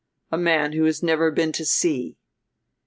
A man who has never been to sea."